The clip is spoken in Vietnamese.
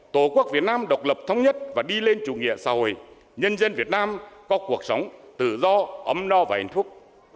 tổ quốc việt nam độc lập thống nhất và đi lên chủ nghĩa xã hội nhân dân việt nam có cuộc sống tự do ấm no và hạnh phúc